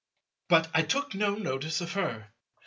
But I took no notice of her.